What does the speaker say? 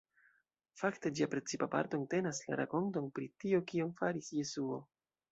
Fakte ĝia precipa parto entenas la rakonton pri tio kion faris Jesuo.